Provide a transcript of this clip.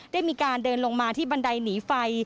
ได้มีการเดินลงมาที่บันไดหนีไฟ